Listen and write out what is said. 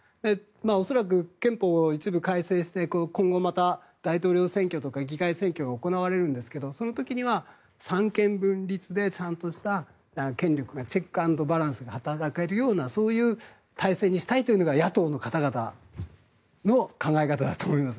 恐らく憲法を一部改正して今後、また大統領選挙とか議会選挙が行われるんですがその時には三権分立でちゃんとした権力がチェック・アンド・バランスで働けるようなそういう体制にしたいのが野党の方々の考え方だと思います。